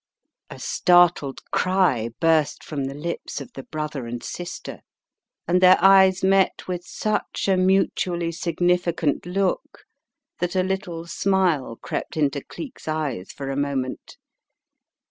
272 The Riddle of the Purple Emperor A startled cry burst from the lips of the brother and sister, and their eyes met with such a mutually significant look that a little smile crept into Cleek's eyes for a moment.